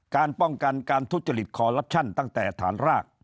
การป้องกันการทุจริตคอลลับชั่นตั้งแต่ฐานราก